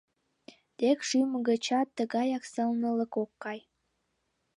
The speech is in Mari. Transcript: Тек шӱм гычат тыгаяк сылнылык ок кай!